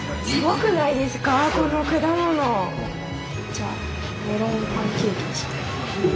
じゃあメロンパンケーキにしよう。